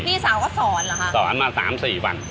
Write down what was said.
พี่สาวก็สอนเหรอฮะสอนมา๓๔วัน